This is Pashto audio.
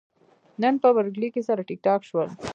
نن په برکلي کې سره ټکاټک شول.